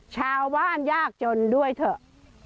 ชาวบ้านยากจนด้วยเถอะ